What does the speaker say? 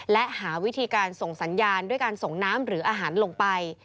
และหาวิธีการส่งสัญญาณด้วยการส่งน้ำหรืออาหารลงไป